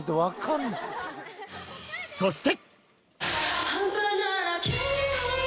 そして